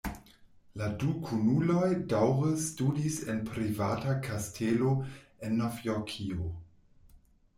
La du kunuloj daŭre studis en privata kastelo en Novjorkio.